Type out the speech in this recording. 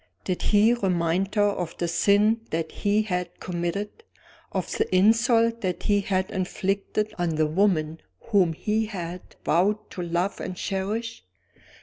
Did he remind her of the sin that he had committed? of the insult that he had inflicted on the woman whom he had vowed to love and cherish?